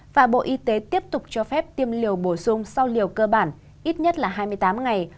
và bộ y tế tiếp tục cho phép tiêm liều bổ sung sau liều cơ bản ít nhất là hai mươi tám ngày